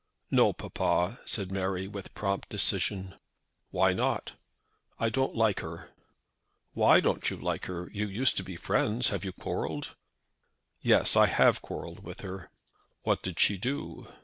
"No, papa," said Mary, with prompt decision. "Why not?" "I don't like her." "Why don't you like her? You used to be friends. Have you quarrelled?" "Yes; I have quarrelled with her." "What did she do?"